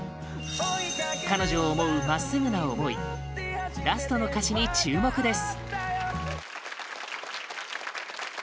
彼女を思う、まっすぐな思いラストの歌詞に注目です！